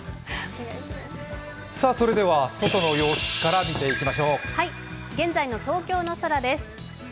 それでは外の様子から見ていきましょう。